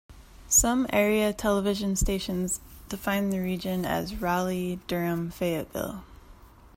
Some area television stations define the region as Raleigh-Durham-Fayetteville.